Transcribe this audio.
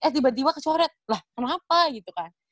eh tiba tiba ke colet lah kenapa gitu kan